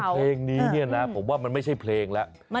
เพราะว่าเพลงนี้เนี่ยนะผมว่ามันไม่ใช่เพลงละ